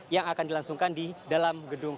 yang akan dilangsungkan di dalam gedung